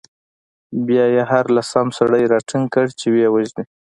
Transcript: بیا يې هر لسم سړی راټینګ کړ، چې ویې وژني.